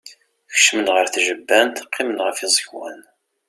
Kecmen ɣer tjebbant, qqimen ɣef yiẓekwan.